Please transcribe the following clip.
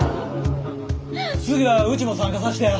次はうちも参加さしてや！